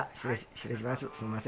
失礼します。